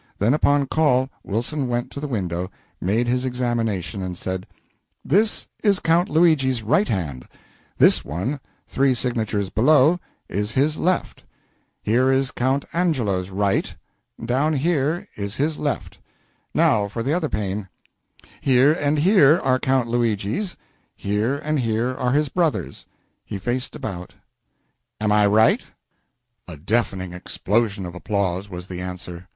Then, upon call, Wilson went to the window, made his examination, and said "This is Count Luigi's right hand; this one, three signatures below, is his left. Here is Count Angelo's right; down here is his left. Now for the other pane: here and here are Count Luigi's, here and here are his brother's." He faced about. "Am I right?" A deafening explosion of applause was the answer.